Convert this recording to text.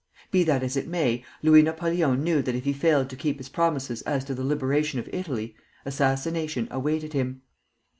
Be that as it may, Louis Napoleon knew that if he failed to keep his promises as to the liberation of Italy, assassination awaited him.